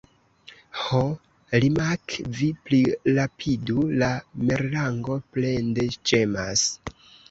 "Ho, Limak', vi plirapidu!" la merlango plende ĝemas.